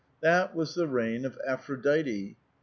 That was the reign of Aphrodite.